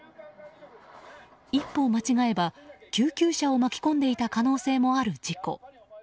一歩間違えば救急車を巻き込んでいた可能性もある事故。